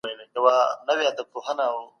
دا کتاب د ټولني دردونه بيانوي.